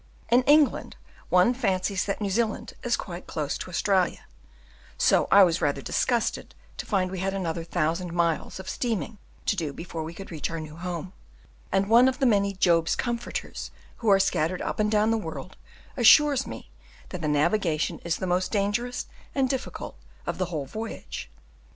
In England one fancies that New Zealand is quite close to Australia, so I was rather disgusted to find we had another thousand miles of steaming to do before we could reach our new home; and one of the many Job's comforters who are scattered up and down the world assures me that the navigation is the most dangerous and difficult of the whole voyage.